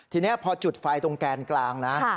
ทีนี้พอจุดไฟตรงแกนกลางนะ